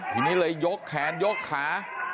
ทีนี้เลยยกแขนยกขา